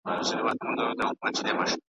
کمالونه چي د هري مرغۍ ډیر وي .